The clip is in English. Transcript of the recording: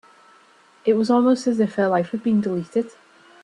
It was almost as if her life had been deleted.